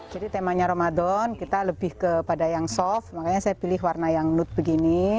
jadi temanya ramadan kita lebih kepada yang soft makanya saya pilih warna yang nude begini